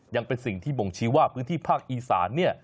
ยังเป็นสิ่งที่บ่งชี้ว่าพื้นที่ภาคอีสานเนี่ย